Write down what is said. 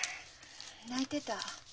泣いてた。